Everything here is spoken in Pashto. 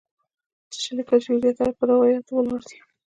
څه چې لیکل شوي زیاتره پر روایاتو ولاړ دي.